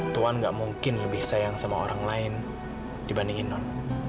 tuhan gak mungkin lebih sayang sama orang lain dibandingin non